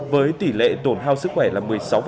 với tỷ lệ tổn hao sức khỏe là một mươi sáu